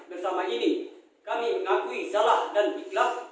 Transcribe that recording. bersama ini kami ngakui salah dan ikhlas